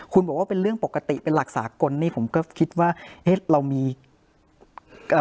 คุณบอกว่าเป็นเรื่องปกติเป็นหลักสากลนี่ผมก็คิดว่าเอ๊ะเรามีเอ่อ